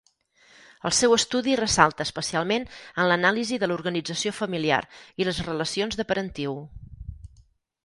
El seu estudi ressalta especialment en l'anàlisi de l'organització familiar i les relacions de parentiu.